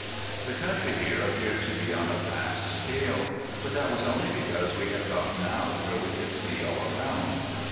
The country here appeared to be on a vast scale. But that was only because we had gotten out where we could see all around.